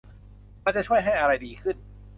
มันจะช่วยให้อะไรดีขึ้น